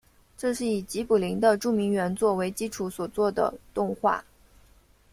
这是以吉卜林的着名原作为基础所做的动画。